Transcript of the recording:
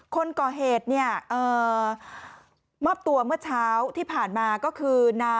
คนก่อเหตุเนี่ยมอบตัวเมื่อเช้าที่ผ่านมาก็คือนา